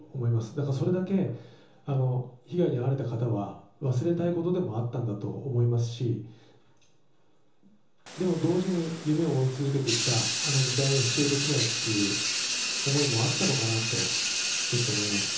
だから、それだけ被害に遭われた方は忘れたかったと思いますしでも同時に夢を追い続けてきたあの時代を否定できないという思いもあったのかなと思います。